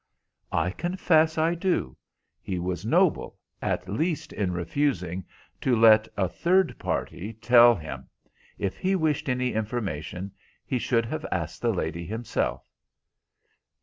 "I confess I do. He was noble, at least, in refusing to let a third party tell him. If he wished any information he should have asked the lady himself."